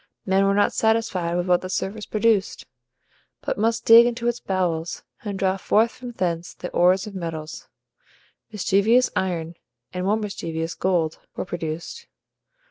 Men were not satisfied with what the surface produced, but must dig into its bowels, and draw forth from thence the ores of metals. Mischievous IRON, and more mischievous GOLD, were produced.